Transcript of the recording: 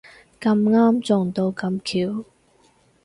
咁啱撞到咁巧